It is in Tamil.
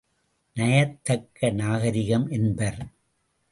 நயத்தக்க நாகரிகம் என்பர்!